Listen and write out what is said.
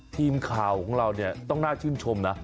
ทีมข่าวของเราเนี่ยต้องน่าชื่นชมนะ